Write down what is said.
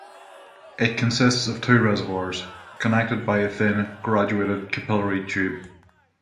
It consists of two reservoirs connected by a thin graduated capillary tube.